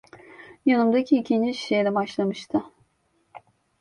Yanımdaki ikinci şişeye de başlamıştı.